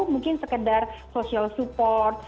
mungkin sekedar social support